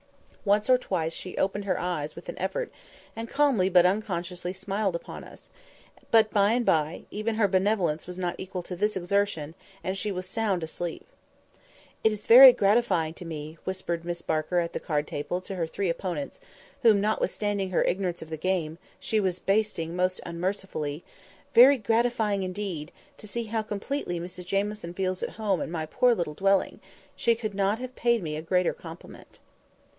Once or twice she opened her eyes with an effort, and calmly but unconsciously smiled upon us; but by and by, even her benevolence was not equal to this exertion, and she was sound asleep. [Picture: The temptation of the comfortable arm chair had been too much for her] "It is very gratifying to me," whispered Miss Barker at the card table to her three opponents, whom, notwithstanding her ignorance of the game, she was "basting" most unmercifully—"very gratifying indeed, to see how completely Mrs Jamieson feels at home in my poor little dwelling; she could not have paid me a greater compliment."